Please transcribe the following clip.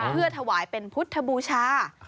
เพื่อถวายเป็นพุทธบูชา